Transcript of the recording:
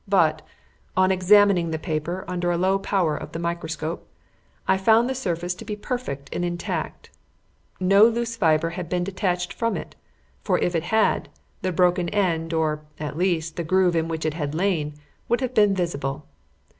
But, on examining the paper under a low power of the microscope, I found the surface to be perfect and intact. No loose fibre had been detached from it, for if it had, the broken end or, at least, the groove in which it had lain, would have been visible.